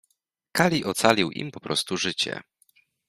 Kali ocalił im poprostu życie.